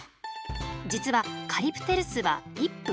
実はカリプテルスは一夫多妻。